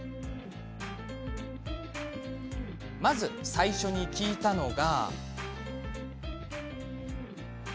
まず最初に聞いたのが。